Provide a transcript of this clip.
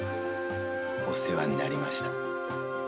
お世話になりました。